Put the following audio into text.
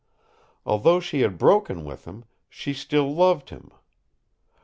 Although she had broken with him, she still loved him.